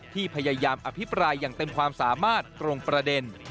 ที่พยายามอภิปรายอย่างเต็มความสามารถตรงประเด็น